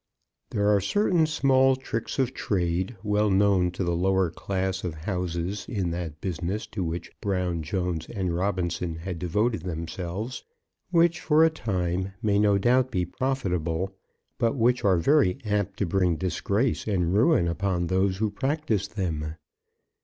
There are certain small tricks of trade, well known to the lower class of houses in that business to which Brown, Jones, and Robinson had devoted themselves, which for a time may no doubt be profitable, but which are very apt to bring disgrace and ruin upon those who practise them.